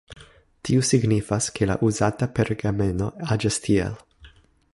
Tiu signifas, ke la uzata pergameno aĝas tiel.